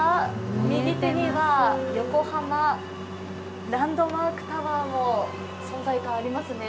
右手には横浜ランドマークタワーも存在感ありますね。